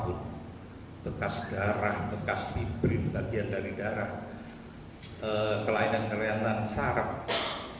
bekas darah bekas vibrin bagian dari darah kelainan kelainan saraf